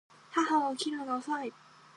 母は起きるのが遅い